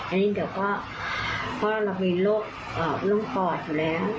อันนี้เดี๋ยวก็เพราะเรามีโรคปอดอยู่แล้ว